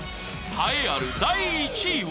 ［栄えある第１位は］